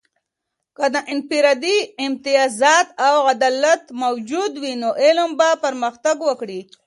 که د انفرادي امتیازات او عدالت موجود وي، نو علم به پرمختګ وکړي.